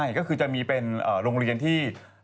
ใช่ก็คือจะมีเป็นโรงเรียนที่